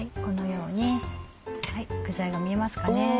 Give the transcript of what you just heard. このように具材が見えますかね？